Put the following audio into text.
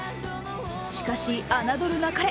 しかし、侮るなかれ。